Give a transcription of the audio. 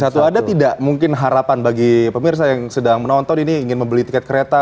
satu ada tidak mungkin harapan bagi pemirsa yang sedang menonton ini ingin membeli tiket kereta